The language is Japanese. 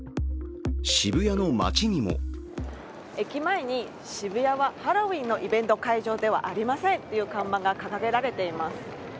渋谷の街にも駅前に渋谷はハロウィーンのイベント会場ではありませんという看板が掲げられています。